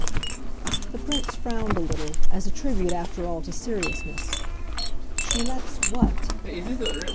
The Prince frowned a little as a tribute, after all, to seriousness. "She lets what